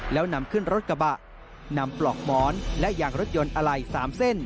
แล้วนำขึ้นรถกระบะนำปลอกหมอนและยางรถยนต์อะไหล่๓เส้น